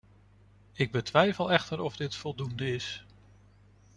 Ik betwijfel echter of dit voldoende is.